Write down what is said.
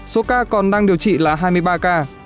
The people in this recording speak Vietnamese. số ca còn đang điều trị là hai mươi ba ca